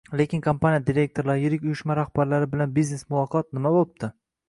Lekin kompaniya direktorlari, yirik uyushma rahbarlari bilan biznes muloqot — nima boʻpti